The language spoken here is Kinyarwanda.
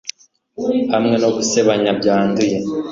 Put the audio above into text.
hamwe no gusebanya byanduye